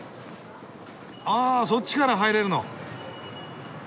あそっちから入れるの。